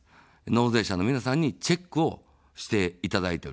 納税者の皆さんにチェックをしていただいていると。